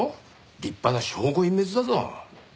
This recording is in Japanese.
立派な証拠隠滅だぞ。